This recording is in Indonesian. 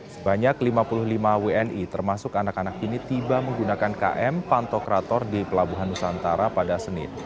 sebanyak lima puluh lima wni termasuk anak anak ini tiba menggunakan km pantokrator di pelabuhan nusantara pada senin